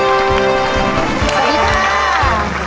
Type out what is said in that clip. สวัสดีค่ะ